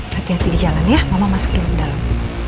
hati hati di jalan ya mama masuk dulu di dalam